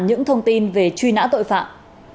những thông tin về truy nã tội phạm